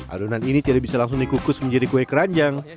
adonan ini tidak bisa langsung dikukus menjadi kue keranjang